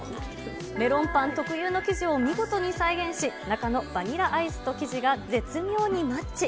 メロンパン特有の生地を見事に再現し、中のバニラアイスと生地が絶妙にマッチ。